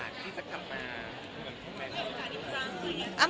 อัมให้โอกาสที่จะกลับมาเหมือนทุกแม่น